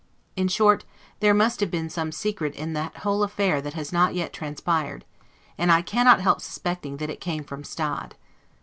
In short, there must have been some secret in that whole affair that has not yet transpired; and I cannot help suspecting that it came from Stade.